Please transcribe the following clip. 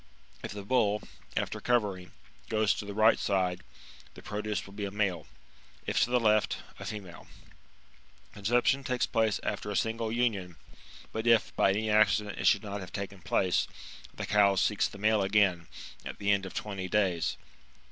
If the bull, after covering, goes to the right side, the produce will be a male ; if to the left, a female.^ Conception takes place after a single union ; but if, by any accident, it should not have taken place, the cow seeks the male again, at the end of twenty days.